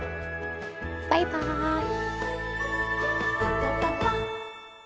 バイバーイ！